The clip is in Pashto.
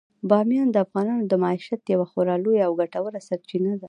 بامیان د افغانانو د معیشت یوه خورا لویه او ګټوره سرچینه ده.